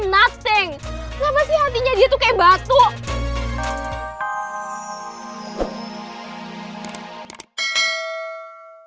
kenapa sih hatinya dia tuh kayak batu